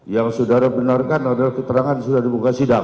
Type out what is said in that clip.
yang saudara benarkan adalah keterangan sudah dibuka sidang